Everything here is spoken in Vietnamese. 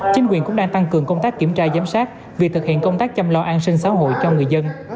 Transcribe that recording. chính quyền cũng đang tăng cường công tác kiểm tra giám sát việc thực hiện công tác chăm lo an sinh xã hội cho người dân